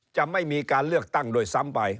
จะไม่มีการเลือกตั้งโดยซ้ำไป